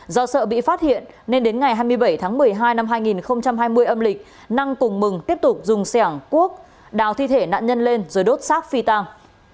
do sợ bị phát hiện nên đến ngày hai mươi bảy tháng một mươi hai năm hai nghìn hai mươi âm lịch năng cùng mừng tiếp tục dùng sẻng cuốc đào thi thể nạn nhân lên rồi đốt xác phi tàng